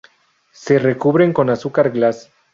Se recubren con azúcar glas.